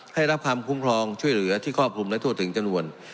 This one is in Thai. ให้รับความคุ้มครองช่วยเหลือที่ครอบคลุมและทั่วถึงจำนวน